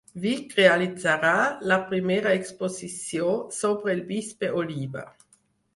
Vic realitzarà la primera exposició sobre el bisbe Oliba